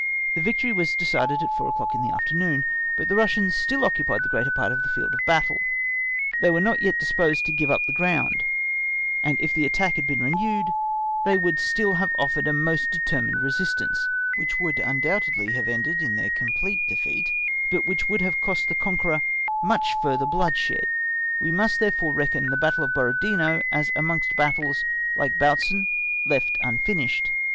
The victory was decided at four o'clock in the afternoon, but the Russians still occupied the greater part of the field of battle; they were not yet disposed to give up the ground, and if the attack had been renewed, they would still have offered a most determined resistance, which would have undoubtedly ended in their complete defeat, but would have cost the conqueror much further bloodshed. We must therefore reckon the Battle of Borodino as amongst battles, like Bautzen, left unfinished.